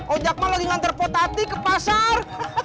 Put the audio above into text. ojak mah lagi ngantar potati ke pasar